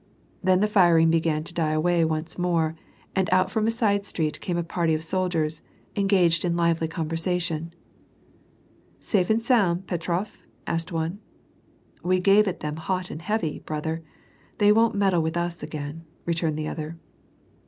Then the firing began to die away once more and out from a side street came a party of soldiers, engaged in lively conversation. " Safe and sound, Petrof ?" asked one. " We gave it to them hot and heavy, brother. They won't meddle with us again." returned the other.